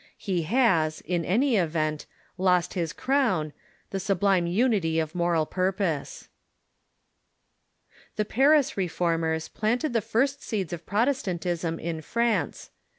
He has, in any event, lost his crown — the sublime unity of moral purpose. The Paris Reformers planted the first seeds of Protestant ism in France.